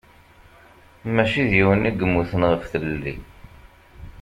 Mačči d yiwen i yemmuten ɣef tlelli.